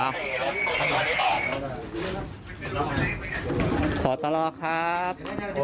ขอตลอดครับ